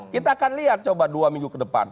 kita akan lihat coba dua minggu ke depan